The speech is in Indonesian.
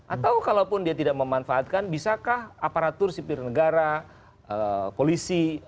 atau kalaupun dia tidak memanfaatkan bisakah aparatur sipil negara polisi